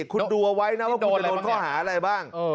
คุณดูเอาไว้นะว่าคุณจะโดนข้อหาอะไรบ้าง